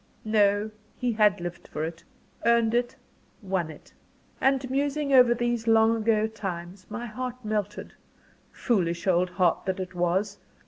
No he had lived for it earned it won it. And musing over these long ago times, my heart melted foolish old heart that it was!